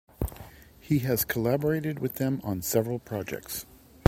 He has collaborated with them on several projects.